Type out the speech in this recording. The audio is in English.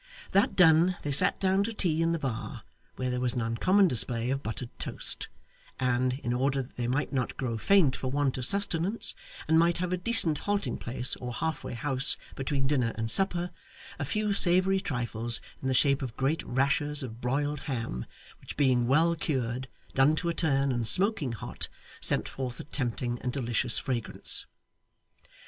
That done, they sat down to tea in the bar, where there was an uncommon display of buttered toast, and in order that they might not grow faint for want of sustenance, and might have a decent halting place or halfway house between dinner and supper a few savoury trifles in the shape of great rashers of broiled ham, which being well cured, done to a turn, and smoking hot, sent forth a tempting and delicious fragrance.